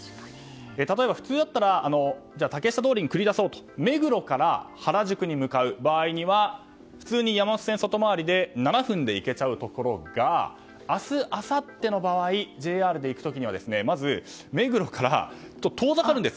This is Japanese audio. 例えば、普通だったら竹下通りに繰り出そうと目黒から原宿に向かう場合には普通に山手線外回りで７分で行けちゃうところが明日、明後日の場合ＪＲで行く時にはまず目黒から、遠ざかるんです。